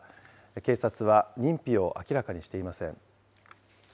警察は認否を明らかにしていません。